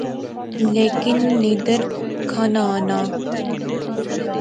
لیکن نیندر کھانا آناں